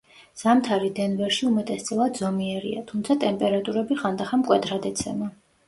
ზამთარი დენვერში უმეტესწილად ზომიერია, თუმცა ტემპერატურები ხანდახან მკვეთრად ეცემა.